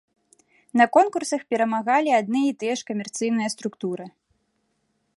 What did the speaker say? На конкурсах перамагалі адны і тыя ж камерцыйныя структуры.